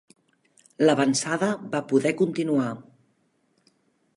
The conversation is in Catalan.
L'avançada va poder continuar.